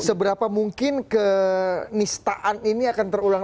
seberapa mungkin kenistaan ini akan terulang